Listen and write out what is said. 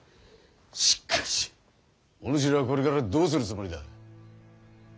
しかしお主らはこれからどうするつもりだ？